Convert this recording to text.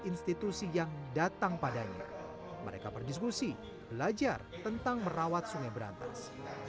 institusi yang datang padanya mereka berdiskusi belajar tentang merawat sungai berantas